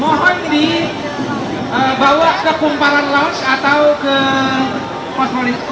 mohon dibawa ke kumparan lounge atau ke